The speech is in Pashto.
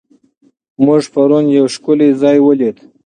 موږ پرون یو ښکلی ځای ولید.